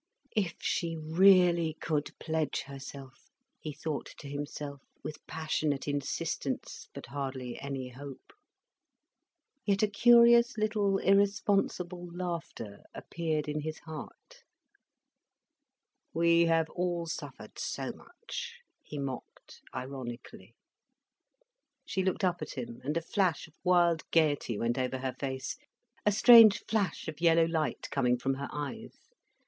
"If she really could pledge herself," he thought to himself, with passionate insistence but hardly any hope. Yet a curious little irresponsible laughter appeared in his heart. "We have all suffered so much," he mocked, ironically. She looked up at him, and a flash of wild gaiety went over her face, a strange flash of yellow light coming from her eyes.